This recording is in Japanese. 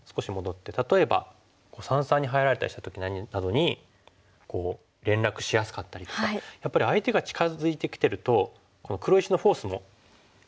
例えば三々に入られたりした時などにこう連絡しやすかったりとかやっぱり相手が近づいてきてるとこの黒石のフォースも影響してきますからね。